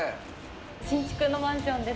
新築のマンションです。